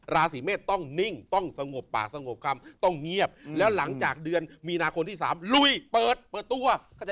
ราศีเมษต้องนิ่งต้องสงบป่าสงบกรรมต้องเงียบแล้วหลังจากเดือนมีนาคมที่๓ลุยเปิดเปิดตัว